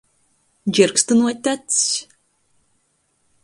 Dzierkšynuot acs.